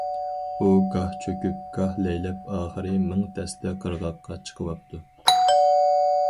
ئۇ گاھ چۆكۈپ، گاھ لەيلەپ ئاخىرى مىڭ تەستە قىرغاققا چىقىۋاپتۇ.